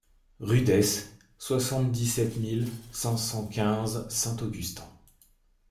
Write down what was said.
Rue d'Esse, soixante-dix-sept mille cinq cent quinze Saint-Augustin